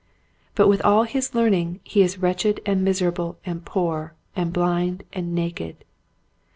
But with all his learning he is wretched and miserable and poor and blind and naked.